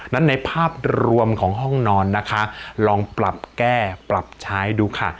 ในภาพรวมของห้องนอนนะคะลองปรับแก้ปรับใช้ดูค่ะ